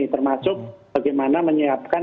ini termasuk bagaimana menyiapkan